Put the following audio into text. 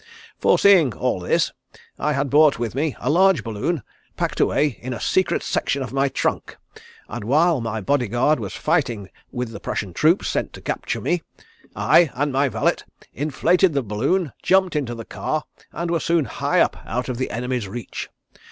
"Foreseeing all this, I had brought with me a large balloon packed away in a secret section of my trunk, and while my body guard was fighting with the Prussian troops sent to capture me, I and my valet inflated the balloon, jumped into the car and were soon high up out of the enemy's reach.